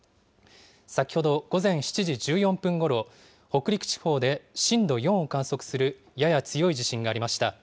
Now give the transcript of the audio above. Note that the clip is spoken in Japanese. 先ほど午前７時１４分ごろ、北陸地方で震度４を観測するやや強い地震がありました。